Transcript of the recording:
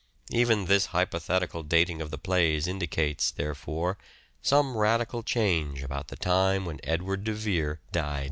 Even this hypothetical dating 4io "SHAKESPEARE' IDENTIFIED of the plays indicates, therefore, some radical change about the time when Edward de Vere died.